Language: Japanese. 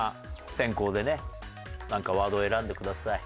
先攻でねなんかワードを選んでください。